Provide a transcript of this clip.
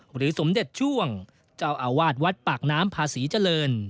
หรือสมเด็จช่วงเจ้าอาวาสวัดปากน้ำพาศรีเจริญ